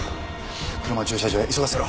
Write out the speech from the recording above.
車を駐車場へ急がせろ！